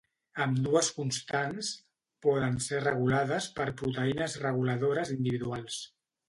Ambdues constants poden ser regulades per proteïnes reguladores individuals.